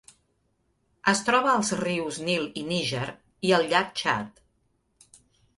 Es troba als rius Nil i Níger, i al llac Txad.